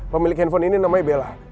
pemilik handphone ini namanya bella